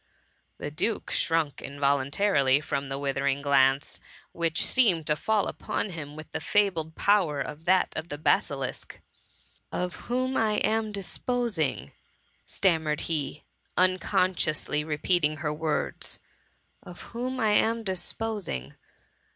The duke shrunk involuntarily from the withering glance, which seemed to fail! upon him with the fabled power of that of the basilisk. ^VOf whom I am disposing?^* stammered he, unconsciously repeating her words, " Of whom I am disposing